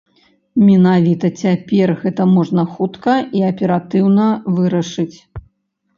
Менавіта цяпер гэта можна хутка і аператыўна вырашыць.